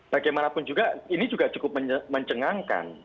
bagaimanapun juga ini juga cukup mencengangkan